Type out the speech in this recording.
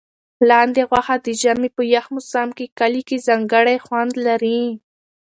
لاندي غوښه د ژمي په یخ موسم کې کلي کې ځانګړی خوند لري.